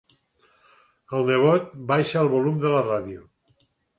El nebot baixa el volum de la ràdio.